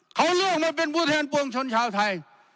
เขาเลือกมาเป็นผู้แทนปวงชนชาวไทย